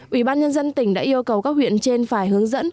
ủy ban nhân dân tỉnh đã yêu cầu các huyện trên phải hướng dẫn